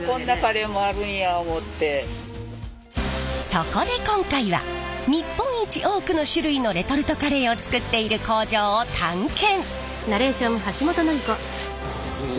そこで今回は日本一多くの種類のレトルトカレーを作っている工場を探検！